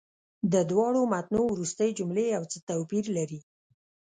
د دواړو متونو وروستۍ جملې یو څه توپیر لري.